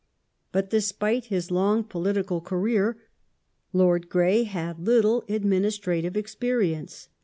But despite his long political career Lord Grey had little administrative experience.